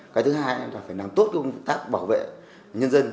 cái thứ hai là phải làm tốt công tác bảo vệ nhân dân